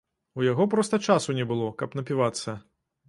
У яго проста часу не было, каб напівацца.